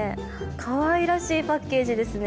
かわいらしいパッケージですね。